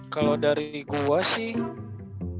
kalau dari gue sih